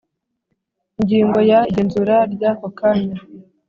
Ingingo ya igenzura ry ako kanya